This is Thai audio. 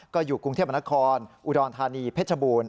ก็อยู่กรุงเทพมนครอุดรธานีพัทธลุง